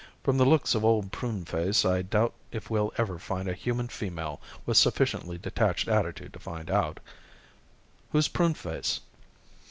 "From the looks of Old Pruneface I doubt if we'll ever find a human female with sufficiently detached attitude to find out." "Who's Pruneface?"